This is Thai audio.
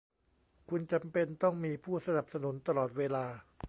คุณจำเป็นต้องมีผู้สนับสนุนตลอดเวลา